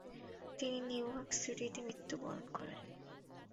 তিনি New York সিটিতে মৃত্যুবরণ করেন।